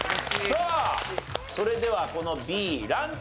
さあそれではこのＢランクは？